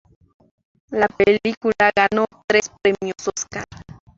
La película ganó tres premios Óscar.